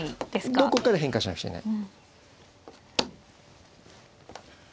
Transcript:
どこかで変化しなくちゃいけない。